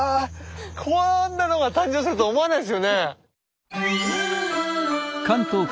こんなのが誕生すると思わないですよね。